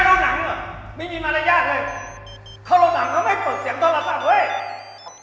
งั้นบางทีสะเตะไว้จะจะพูดออกมาสิวะ